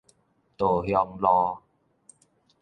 稻香路